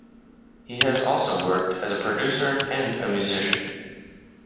He has also worked as a producer and a musician.